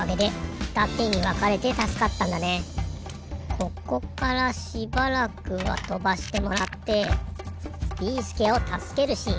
ここからしばらくはとばしてもらってビーすけをたすけるシーン。